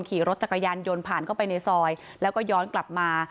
ขี่รถจักรยานยนต์ผ่านเข้าไปในซอยแล้วก็ย้อนกลับมา